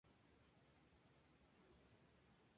Se ubica en el centro de la comarca del Pallars Jussá.